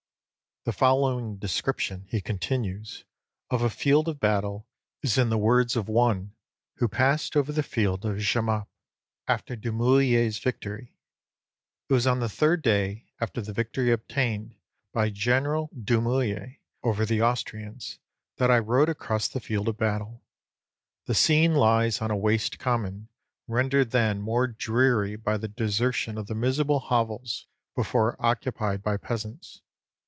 '" "The following description (he continues) of a field of battle is in the words of one who passed over the field of Jemappe, after Doumourier's victory: 'It was on the third day after the victory obtained by general Doumourier over the Austrians, that I rode across the field of battle. The scene lies on a waste common, rendered then more dreary by the desertion of the miserable hovels before occupied by peasants.